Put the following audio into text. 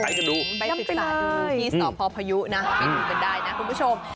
ไปปรึกษาดูที่สอบพ่อพอยุนะครับไปดูกันได้นะคุณผู้ชม